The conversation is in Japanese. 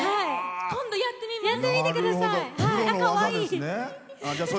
やってみてください。